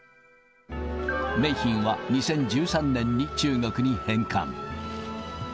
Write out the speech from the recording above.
メイヒンは、２０１３年に中国に返還。